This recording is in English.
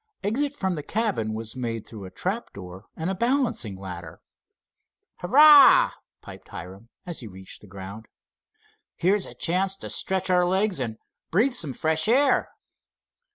Exit from the cabin was made through a trap door and a balancing ladder. "Hurrah!" piped Hiram, as he reached the ground. "Here's a chance to stretch our legs and breathe some fresh air."